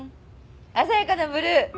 鮮やかなブルー。